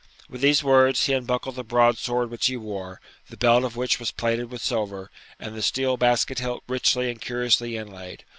With these words, he unbuckled the broadsword which he wore, the belt of which was plaited with silver, and the steel basket hilt richly and curiously inlaid.